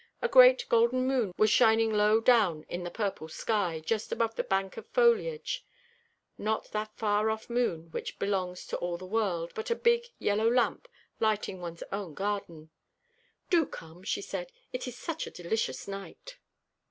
A great golden moon was shining low down in the purple sky, just above the bank of foliage: not that far off moon which belongs to all the world, but a big yellow lamp lighting one's own garden. "Do come," she said, "it is such a delicious night."